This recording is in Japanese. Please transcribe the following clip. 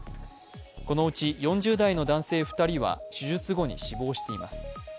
このうち４０代の男性２人は手術後に死亡しています。